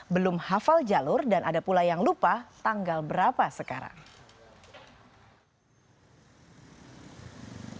belum hafal jalur dan ada pula yang lupa tanggal berapa sekarang